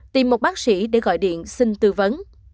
tìm một bác sĩ để gọi điện xin tư vấn